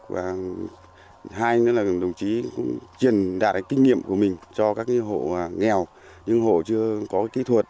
và hai nữa là đồng chí cũng truyền đạt kinh nghiệm của mình cho các hộ nghèo những hộ chưa có kỹ thuật